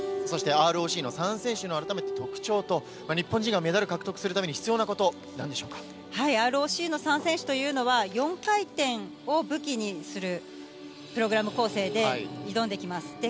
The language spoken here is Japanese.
そしてＲＯＣの３選手の、改めて特徴と、日本人がメダル獲得するために必要なこと、なんでＲＯＣの３選手というのは、４回転を武器にするプログラム構成で挑んできます。